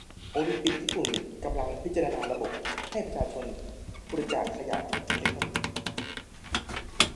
โอลิมปิกญี่ปุ่นกำลังพิจาณาระบบให้ประชาชนบริจาคขยะอิเล็กทรอนิกส์